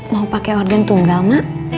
mau pakai organ tunggal mak